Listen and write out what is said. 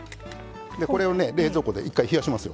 これをね冷蔵庫で一回冷やします。